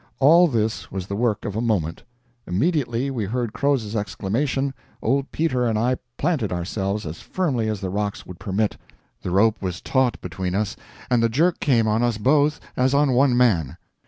All this was the work of a moment. Immediately we heard Croz's exclamation, old Peter and I planted ourselves as firmly as the rocks would permit; the rope was taut between us, and the jerk came on us both as on one man.